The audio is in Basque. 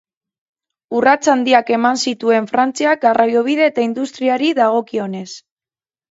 Urrats handiak eman zituen Frantziak garraiobide eta industriari dagokionez.